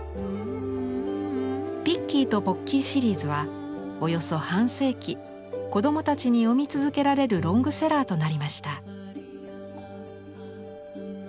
「ピッキーとポッキー」シリーズはおよそ半世紀子供たちに読み続けられるロングセラーとなりました。